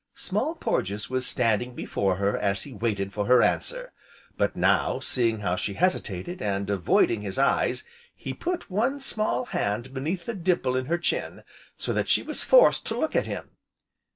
Small Porges was standing before her as he waited for her answer, but now, seeing how she hesitated, and avoided his eyes, he put one small hand beneath the dimple in her chin, so that she was forced to look at him.